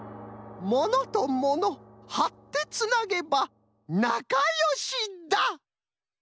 「ものとものはってつなげばなかよしだ」。